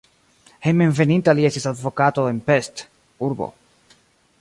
Hejmenveninta li estis advokato en Pest (urbo).